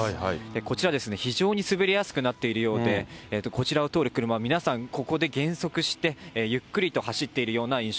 こちら非常に滑りやすくなっているようで、こちらを通る車は皆さんここで減速して、ゆっくりと走っているよ